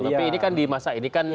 tapi ini kan di masa ini kan